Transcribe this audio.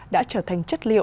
đã trở thành chất liệu